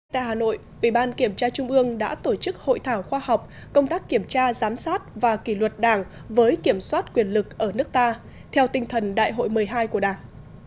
tại hà nội ubnd đã tổ chức hội thảo khoa học công tác kiểm tra giám sát và kỷ luật đảng với kiểm soát quyền lực ở nước ta theo tinh thần đại hội một mươi hai của đảng